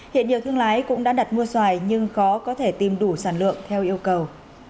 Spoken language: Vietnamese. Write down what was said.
hiện nhiều thương lái cũng đã đặt mua xoài nhưng khó có thể tìm đủ sản lượng theo yêu cầu